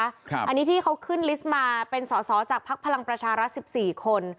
ครับอันนี้ที่เขาขึ้นลิสต์มาเป็นศศจากภพลังประชารสิบสี่คน